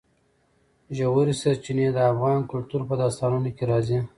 ژورې سرچینې د افغان کلتور په داستانونو کې راځي.